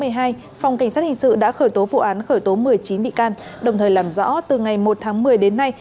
phòng cảnh sát hình sự đã khởi tố vụ án khởi tố một mươi chín bị can đồng thời làm rõ từ ngày một tháng một mươi đến nay